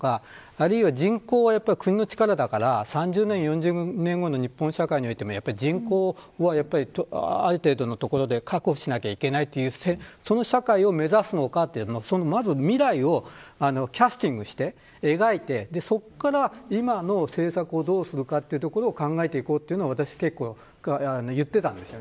あるいは、人口は国の力だから３０年、４０年後の日本社会においても、人口はある程度のところで確保しないといけないというそういった社会を目指すのかという未来をキャスティングして、描いてそこから今の政策をどうするかということを考えていこうというのを言っていたんです。